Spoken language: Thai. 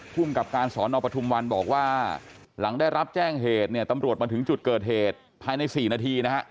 ภูมิกับการสอนอปทุมวันบอกว่าหลังได้รับแจ้งเหตุเนี่ยตำรวจมาถึงจุดเกิดเหตุภายใน๔นาทีนะฮะ